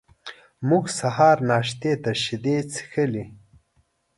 موږ سهار ناشتې ته شیدې څښلې.